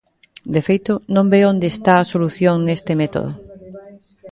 De feito, non ve onde está a solución neste método.